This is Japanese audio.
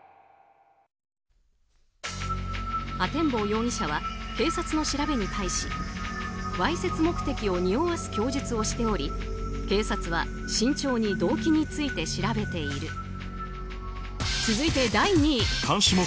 阿天坊容疑者は警察の調べに対しわいせつ目的をにおわす供述をしており警察は、慎重に動機について調べている。